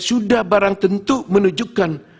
sudah barang tentu menunjukkan